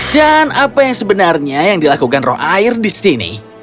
dan apa yang sebenarnya yang dilakukan roh air disini